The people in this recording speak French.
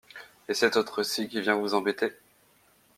Et cet autre-ci qui vient vous embêter.